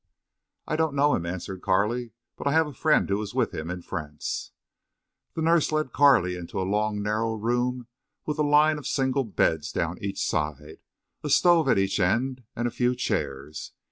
"I don't know him," answered Carley. "But I have a friend who was with him in France." The nurse led Carley into a long narrow room with a line of single beds down each side, a stove at each end, and a few chairs.